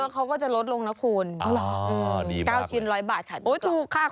เราก็อ๋ออ๋อหมดเมื่อวันนี้จ่ายค่า